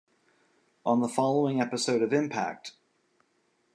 On the following episode of Impact!